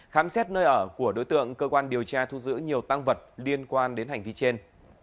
khám xét nơi ở của đối tượng cơ quan điều tra thu giữ nhiều tăng vật liên quan đến hành vi trên